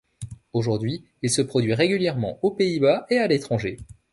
Aujourd'hui, il se produit régulièrement aux Pays-Bas et à l'étranger.